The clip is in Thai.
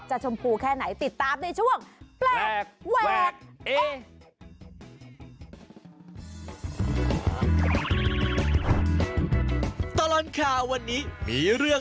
ชมพูแค่ไหนติดตามในช่วงแปลกแวกเอ